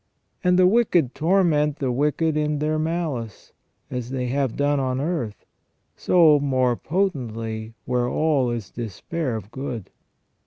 And the wicked torment the wicked in their malice, as they have done on earth, so more potently where all is despair of good.